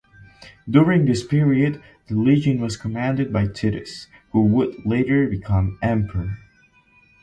During this period the legion was commanded by Titus, who would later become Emperor.